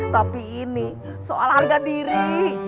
tapi ini soal harga diri